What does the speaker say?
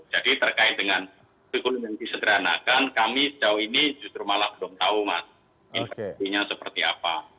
jadi terkait dengan kurikulum yang disederhanakan kami sejauh ini justru malah belum tahu mas infeksinya seperti apa